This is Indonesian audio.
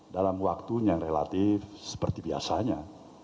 dalam waktunya yang relatif seperti biasanya